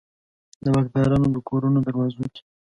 د واکدارانو د کورونو دروازو کې